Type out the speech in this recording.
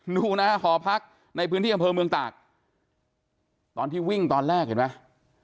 ดูนะหอพักในพื้นที่อำเภอเมืองตากตอนที่วิ่งตอนแรกเห็นไหม